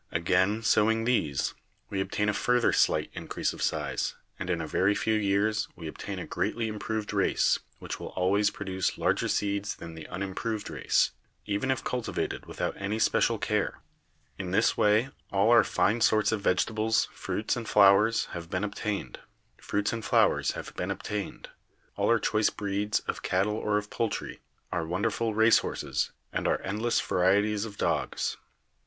Again sowing these, we ob tain a further slight increase of size, and in a very few years we obtain a greatly improved race, which will always produce larger seeds than the unimproved race, even if cultivated without any special care. In this way all our fine sorts of vegetables, fruits and flowers have been obtained, all our choice breeds of cattle or of poultry, our wonderful race horses and our endless varieties of dogs.